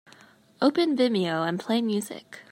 Open Vimeo and play music.